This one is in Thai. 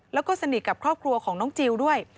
แล้วก็สนิทกับครอบครัวของน้องจิลด้วย